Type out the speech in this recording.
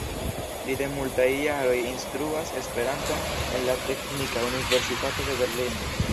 Li de multaj jaroj instruas Esperanton en la Teknika Universitato de Berlino.